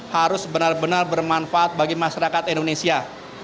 harus benar benar bermanfaat bagi masyarakat indonesia